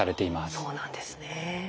そうなんですね。